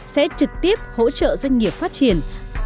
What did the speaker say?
sẽ trực tiếp hỗ trợ doanh nghiệp phát triển